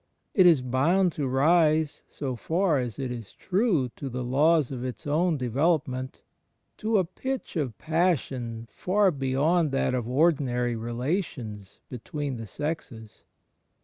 It is bound to rise, so far as it is true to the laws of its own development, to a pitch of passion far beyond that of ordinary relations between the sexes.